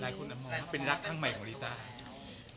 หลายคนก็มองว่าเป็นรักทั้งใหม่ของลิต้า